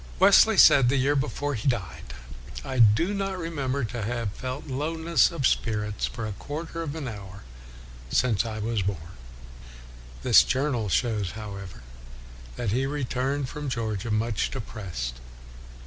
Wesley said, the year before he died, " I do not remember to have felt lowness of spirits for a quarter of an hour since I was born. r His journal shows, however, that he returned from Georgia much de pressed.